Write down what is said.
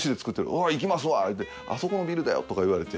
わぁ行きますわ言うてあそこのビルだよとか言われて。